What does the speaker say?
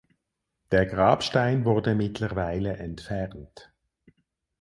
Der Grabstein wurde mittlerweile entfernt.